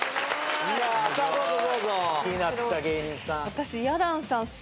私。